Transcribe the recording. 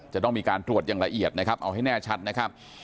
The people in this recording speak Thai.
จะต้องมีการตรวจอย่างละเอียดนะครับเอาให้แน่ชัดนะครับ